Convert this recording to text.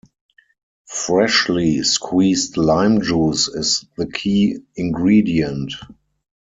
Freshly squeezed lime juice is the key ingredient.